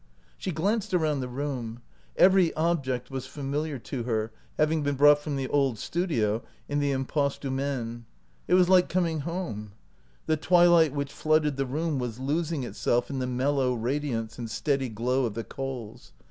She glanced around the room # Every object was familiar to her, having been brought from the old studio in the Im passe du Maine. It was like coming home. The twilight which flooded the room was losing itself in the mellow radiance and steady glow of the coals.